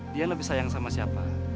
dia lebih sayang sama siapa